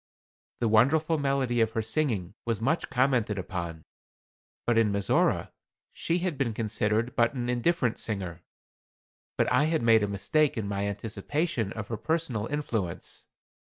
The wonderful melody of her singing was much commented upon, but in Mizora she had been considered but an indifferent singer. But I had made a mistake in my anticipation of her personal influence.